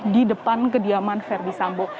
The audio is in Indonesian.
di depan kediaman verdi sambo